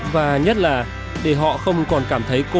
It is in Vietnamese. và nhất là để họ không còn cảm thấy cô